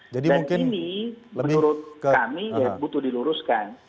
dan ini menurut kami ya butuh diluruskan